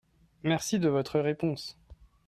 merci de votre réponse.